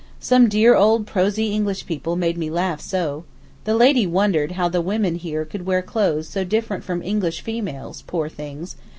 Some dear old prosy English people made me laugh so. The lady wondered how the women here could wear clothes 'so different from English females—poor things!